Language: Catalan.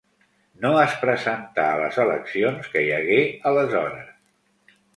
No es presentà a les eleccions que hi hagué aleshores.